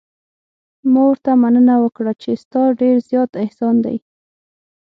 ما ورته مننه وکړه چې ستا ډېر زیات احسان دی.